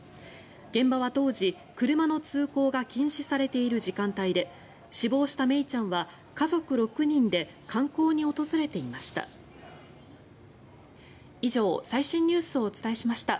現場は当時、車の通行が禁止されている時間帯で死亡した愛李ちゃんは家族６人で観光に訪れていました。